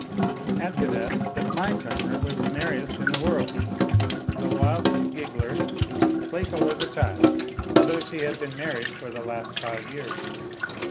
Add to that, that my charmer was the merriest in the world, the wildest giggler, playful as a child, although she had been married for the last five years.